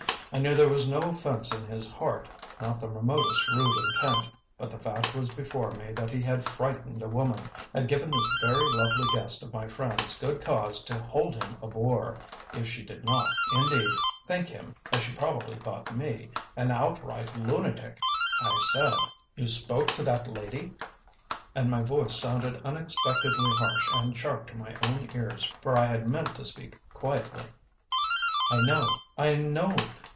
I knew there was no offence in his heart, not the remotest rude intent, but the fact was before me that he had frightened a woman, had given this very lovely guest of my friends good cause to hold him a boor, if she did not, indeed, think him (as she probably thought me) an outright lunatic! I said: "You spoke to that lady!" And my voice sounded unexpectedly harsh and sharp to my own ears, for I had meant to speak quietly. "I know I know.